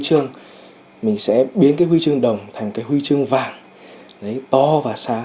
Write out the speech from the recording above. thế là em nung nấu ý chí trong người mình rằng có một ngày mình sẽ biến cái huy chương đồng thành cái huy chương vàng to và sáng